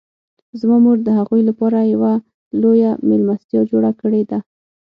زما مور د هغوی لپاره یوه لویه میلمستیا جوړه کړې ده